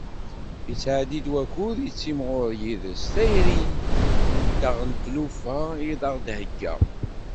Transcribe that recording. Yettɛeddi wakud tettimɣur yid-s tayri-nteɣ d tlufa i aɣ-d-thegga.